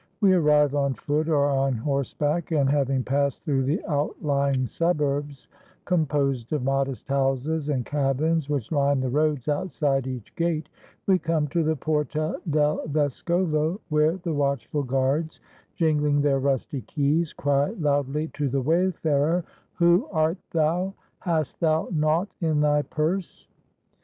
We arrive on foot or on horseback, and having passed through the outlying suburbs, composed of modest houses and cabins which line the roads outside each gate, we come to the Porta del Vescovo, where the watchful guards, jingling their rusty keys, cry loudly to the wayfarer, " Who art thou? Hast thou nought in thy purse?"